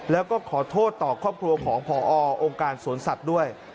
แล้วก็ขอโทษต่อครอบครัวของพอองค์การสวนสัตว์ด้วย